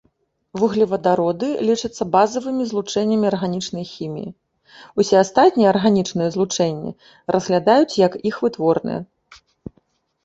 Вуглевадароды лічацца базавымі злучэннямі арганічнай хіміі, усе астатнія арганічныя злучэнні разглядаюць як іх вытворныя.